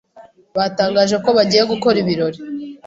Batangaje ko bagiye gukora ibirori.